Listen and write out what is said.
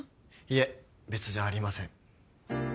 いえ別じゃありません。